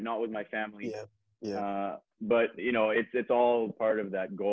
tapi itu semua bagian dari tujuan itu